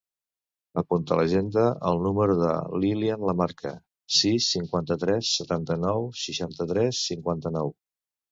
Apunta a l'agenda el número de l'Ilyan Lamarca: sis, cinquanta-tres, setanta-nou, seixanta-tres, cinquanta-nou.